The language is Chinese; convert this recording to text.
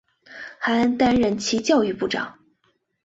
还担任其教育部长。